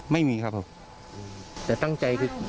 เหมียวโลกฐานด้วยครับ